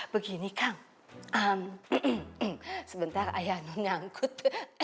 begini kang sebentar ayahmu nyangkut